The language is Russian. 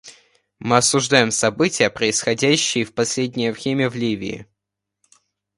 Мы осуждаем события, происходящие в последнее время в Ливии.